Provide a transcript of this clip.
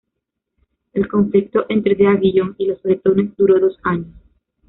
El conflicto entre D’Aguillon y los bretones duró dos años.